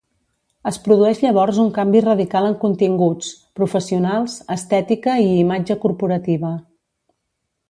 Es produeix llavors un canvi radical en continguts, professionals, estètica i imatge corporativa.